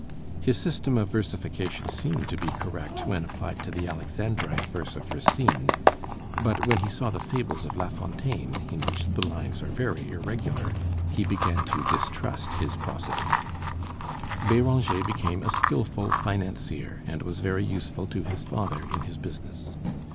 His system of versification seemed to be correct when applied to the Alexandrine verse of Racine; but when he saw the fables of La Fontaine, in which the lines are very irregular, he began to distrust his prosody. [Illustration: P.J. DE BÉRANGER] Béranger became a skillful financier, and was very useful to his father in his business.